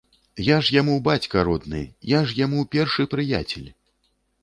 Я ж яму бацька родны, я ж яму першы прыяцель.